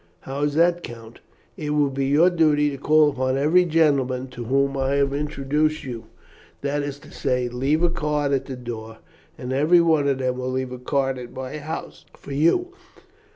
"How is that, Count?" "It will be your duty to call upon every gentleman to whom I have introduced you; that is to say, to leave a card at the door, and every one of them will leave a card at my house for you.